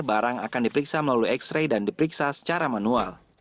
barang akan diperiksa melalui x ray dan diperiksa secara manual